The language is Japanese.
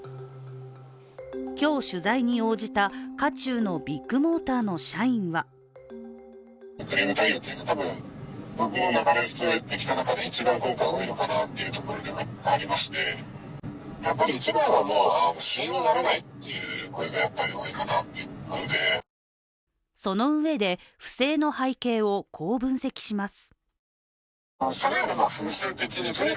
今日取材に応じた、渦中のビッグモーターの社員はそのうえで、不正の背景をこう分析します。